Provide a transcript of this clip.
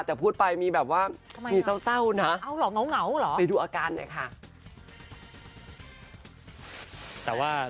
แต่พูดไปมีแบบว่ามีเศร้านะไปดูอาการนะค่ะเอาเหรอเหงาหรือ